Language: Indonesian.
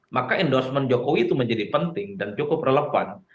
maka endorsement jokowi itu menjadi penting dan cukup relevan